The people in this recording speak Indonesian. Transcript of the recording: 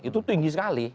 itu tinggi sekali